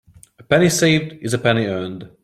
A penny saved is a penny earned.